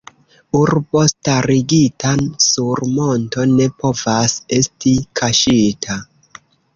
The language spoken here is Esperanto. Urbo starigita sur monto ne povas esti kaŝita.